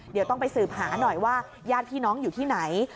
เดี๋ยวต้องไปสืบหาหน่อยว่าญาติพี่น้องอยู่ที่ไหน